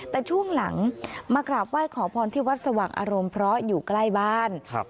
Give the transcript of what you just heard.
แต่ช่วงหลังมากราบไหว้ขอพรที่วัดสว่างอารมณ์เพราะอยู่ใกล้บ้าน